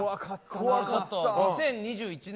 怖かったな。